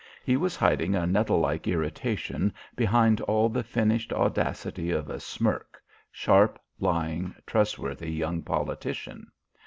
He was hiding a nettle like irritation behind all the finished audacity of a smirk, sharp, lying, trustworthy young politician.